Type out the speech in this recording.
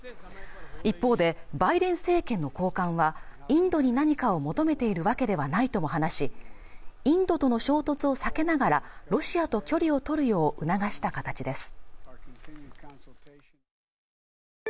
一方でバイデン政権の高官はインドに何かを求めているわけではないとも話しインドとの衝突を避けながらロシアと距離を取るよう促した形です